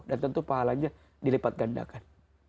dan tentu pahalanya dilipat gandakan